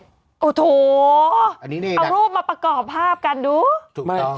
ใช่โอ้โถอันนี้นี่นะเอารูปมาประกอบภาพการดูถูกต้อง